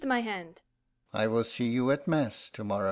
"I will see you at mass to morrow."